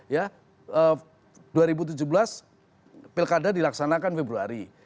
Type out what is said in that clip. ya dua ribu tujuh belas pilkada dilaksanakan februari